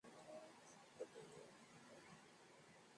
Kabla Mzee Mtoro Rehani hajarejea kutoka msalani